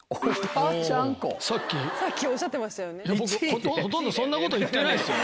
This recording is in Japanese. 僕ほとんどそんなこと言ってないですよ。